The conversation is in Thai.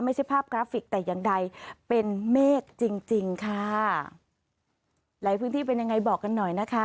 ไม่ใช่ภาพกราฟิกแต่อย่างใดเป็นเมฆจริงจริงค่ะหลายพื้นที่เป็นยังไงบอกกันหน่อยนะคะ